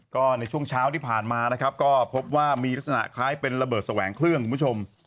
ก็ในช่วงเช้าที่ผ่านมานะครับก็พบว่ามีลักษณะคล้ายเป็นระเบิดแสวงเครื่องคุณผู้ชม